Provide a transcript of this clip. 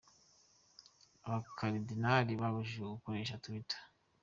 Abakaridinari babujijwe gukoresha Twitter